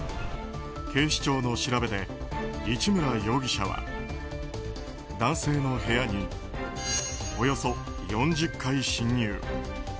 警視庁の調べで市村容疑者は男性の部屋におよそ４０回侵入。